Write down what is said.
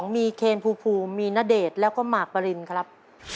มีเคนภูมิมีณเดชน์แล้วก็หมากปรินครับ